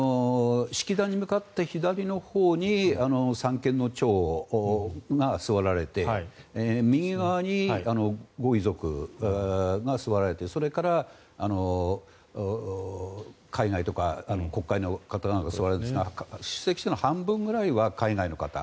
式壇に向かって左のほうに三権の長が座られて右側にご遺族が座られてそれから海外とか国会の方なんかが座るんですが出席者の半分ぐらいは海外の方。